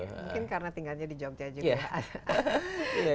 mungkin karena tinggalnya di jogja juga